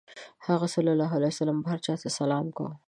هغه ﷺ به هر چا ته سلام کاوه.